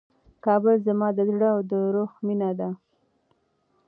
کابل زما د زړه او د روح مېنه ده.